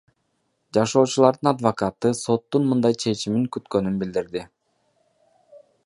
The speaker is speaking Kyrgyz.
Жашоочулардын адвокаты соттун мындай чечимин күткөнүн билдирди.